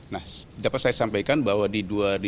nah dapat saya sampaikan bahwa di dua ribu dua puluh